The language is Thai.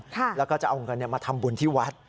แล้วก็จะเอาเงินมาทำบุญที่วัด